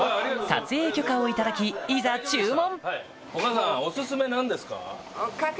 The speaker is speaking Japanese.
撮影許可を頂きいざ注文！